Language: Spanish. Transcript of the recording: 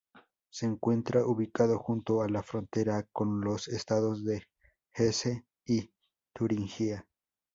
Se encuentra ubicado junto a la frontera con los estados de Hesse y Turingia.